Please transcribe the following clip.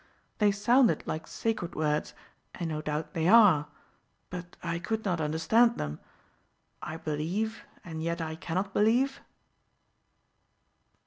They sounded like sacred words, and no doubt they are; but I could not understand them. 'I believe, and yet I cannot believe.